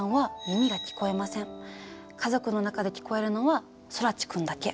家族の中で聞こえるのは空知くんだけ。